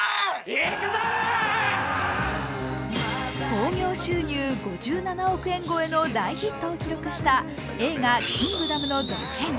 興行収入５７億円超えの大ヒットを記録した映画「キングダム」の続編